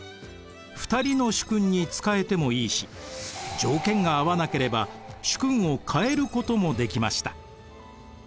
２人の主君に仕えてもいいし条件が合わなければ主君を変えることもできました。